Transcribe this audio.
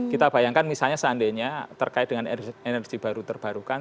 kita bayangkan misalnya seandainya terkait dengan energi baru terbarukan